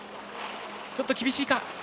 ちょっと厳しいか。